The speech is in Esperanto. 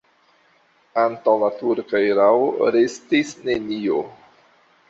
Antaŭ la turka erao restis nenio.